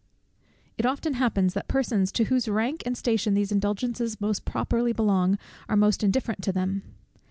It often happens, that persons, to whose rank and station these indulgences most properly belong, are most indifferent to them.